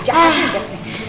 jahat juga sih